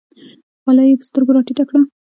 خولۍ یې په سترګو راټیټه کړه.